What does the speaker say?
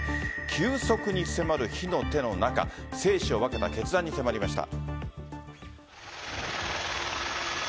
急速に迫る火の手の中生死を分けた決断に迫りました。